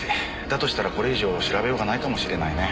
だとしたらこれ以上調べようがないかもしれないね。